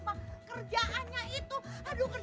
pak mardali yang terhormat